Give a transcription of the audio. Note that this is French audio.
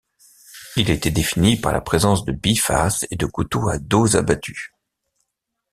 Il était défini par la présence de bifaces et de couteaux à dos abattu.